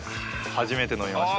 初めて飲みました。